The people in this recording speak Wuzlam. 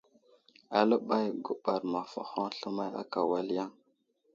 Aləɓay guɓar məfahoŋ sləmay ákà wal yaŋ.